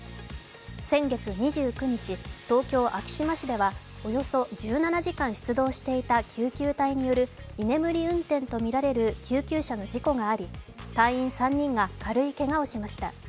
先月２９日、東京・昭島市ではおよそ１７時間出動していた救急隊による居眠り運転とみられる救急車の事故があり、隊員３人が軽いけがをしました。